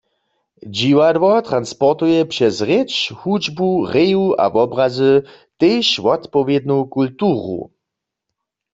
Dźiwadło transportuje přez rěč, hudźbu, reju a wobrazy tež wotpowědnu kulturu.